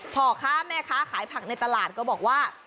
พ่อค้าแม่ค้าขายผักในตลาดก็บอกว่า